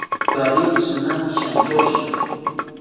Kaari tzinani shantyoshi